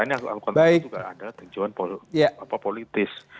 ini angkutan masal itu juga ada tujuan politis